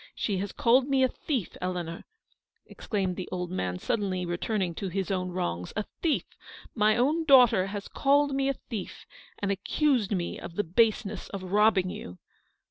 She has called me a thief, Eleanor," exclaimed the old man, sud denly returning to his own wrongs, — "a thief! My own daughter has called me a thief, and ac cused me of the baseness of robbing you."